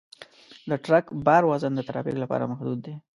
د ټرک بار وزن د ترافیک لپاره محدود دی.